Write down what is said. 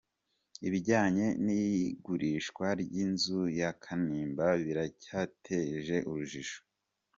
Ibijyanye n’igurishwa ry’inzu ya Kanimba biracyateje urujijo